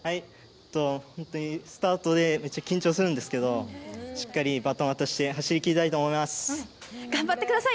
本当にスタートでめっちゃ緊張するんですけど、しっかりバトン渡して、走り切りたいと思いま頑張ってください。